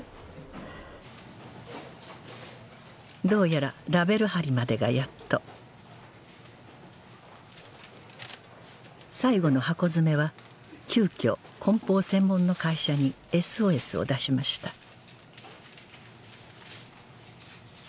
どうやらラベル貼りまでがやっと最後の箱詰めは急きょこん包専門の会社にＳＯＳを出しました